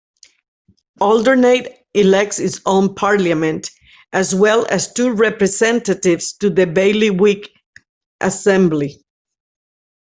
Alderney elects its own parliament, as well as two representatives to the bailiwick assembly.